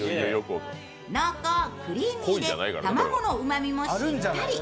濃厚・クリーミーで卵のうまみもしっかり。